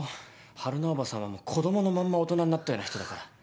春菜叔母さんは子供のまんま大人になったような人だから。